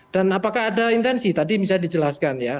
dan apakah ada intensi tadi bisa dijelaskan ya